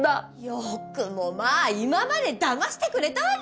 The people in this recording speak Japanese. よくもまあ今までだましてくれたわね！